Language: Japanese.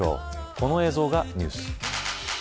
この映像がニュース。